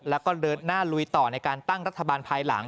แล้วก็เดินหน้าลุยต่อในการตั้งรัฐบาลภายหลัง